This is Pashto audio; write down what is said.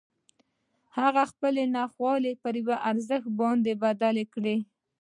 هغه خپلې ناخوالې پر یوه ارزښت باندې بدلې کړې